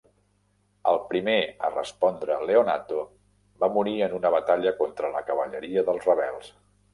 El primer a respondre, Leonnato, va morir en una batalla contra la cavalleria dels rebels.